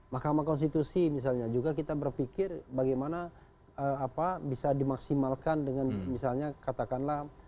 mahkamah konstitusi misalnya juga kita berpikir bagaimana bisa dimaksimalkan dengan misalnya katakanlah